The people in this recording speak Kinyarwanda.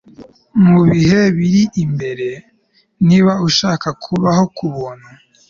mubihe biri imbere niba ushaka kubaho kubuntu